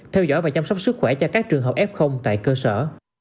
theo dõi và chăm sóc sức khỏe cho các trường hợp f tại cơ sở